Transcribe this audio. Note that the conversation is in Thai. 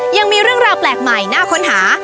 ยังมีเรื่องราวแปลกใหม่น่าค้นหา